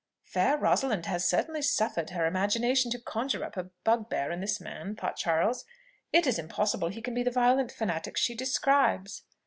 "Fair Rosalind has certainly suffered her imagination to conjure up a bugbear in this man," thought Charles. "It is impossible he can be the violent fanatic she describes."